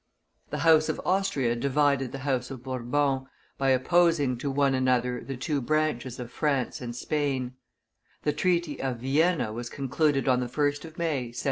The house of Austria divided the house of Bourbon, by opposing to one another the two branches of France and Spain; the treaty of Vienna was concluded on the 1st of May, 1725.